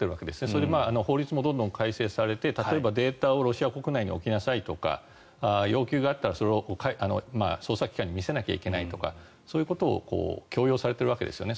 それで法律もどんどん改正されて例えば、データをロシア国内に置きなさいとか要求があったらそれを捜査機関に見せなきゃいけないとかそういうことを強要されているわけですよね。